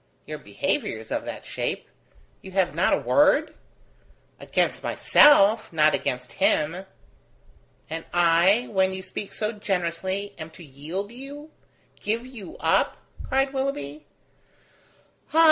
Your behaviour is of that shape. You have not a word?" "Against myself, not against him." "And I, when you speak so generously, am to yield you? give you up?" cried Willoughby. "Ah!